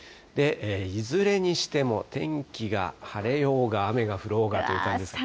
いずれにしても、天気が晴れようが雨が降ろうがという状態です。